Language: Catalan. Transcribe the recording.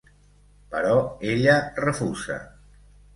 Però ella refusa.